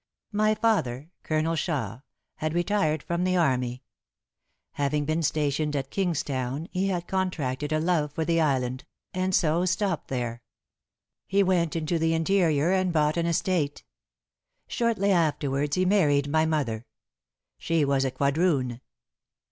"My father, Colonel Shaw, had retired from the army. Having been stationed at Kingstown, he had contracted a love for the island, and so stopped there. He went into the interior and bought an estate. Shortly afterwards he married my mother. She was a quadroon."